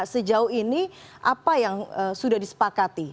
sejauh ini apa yang sudah disepakati